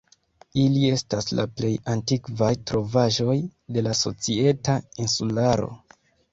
Ili estas la plej antikvaj trovaĵoj de la Societa Insularo.